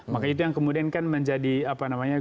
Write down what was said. maka itu yang kemudian kan menjadi apa namanya